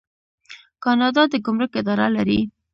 کاناډا د ګمرک اداره لري.